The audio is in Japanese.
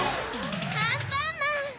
アンパンマン！